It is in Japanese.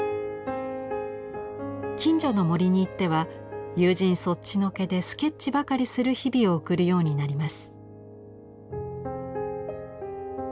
近所の森に行っては友人そっちのけでスケッチばかりする日々を送るようになります。